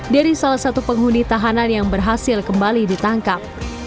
dari salah satu penghuni tahanan yang berhasil kembali ditangkap